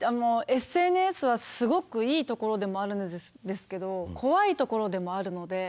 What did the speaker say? ＳＮＳはすごくいいところでもあるんですけど怖いところでもあるので。